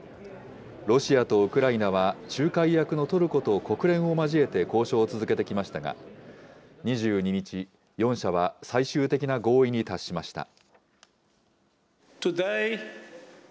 ロシアとウクライナは、仲介役のトルコと国連を交えて交渉を続けてきましたが、２２日、４者は最終的な合意に達しました。